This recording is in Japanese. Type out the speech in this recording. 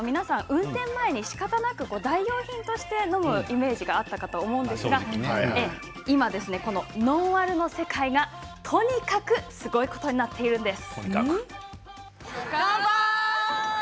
運転前にしかたなく代用品として飲むイメージがあったかと思うんですが今このノンアルの世界がとにかくすごいことになっているんです。